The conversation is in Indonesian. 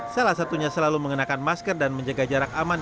salah satunya selalu mengenakan masker dan menjaga jarak aman